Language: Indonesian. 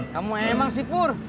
kamu emang sipur